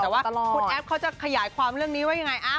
แต่ว่าคุณแอฟเขาจะขยายความเรื่องนี้ว่ายังไง